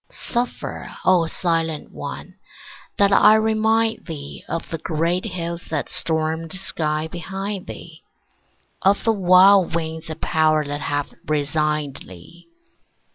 Suffer, O silent one, that I remind thee Of the great hills that stormed the sky behind thee, Of the wild winds of power that have resigned thee.